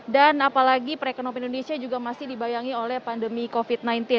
dan apalagi perekonomian indonesia juga masih dibayangi oleh pandemi covid sembilan belas